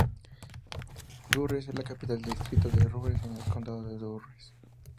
Durrës es la capital del distrito de Durrës y del condado de Durrës.